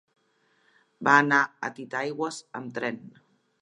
Va anar a Titaigües amb tren.